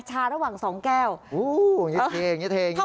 ชาระหว่างสองแก้วอู้วอย่างเงี้ยอย่างเงี้ยอย่างเงี้ย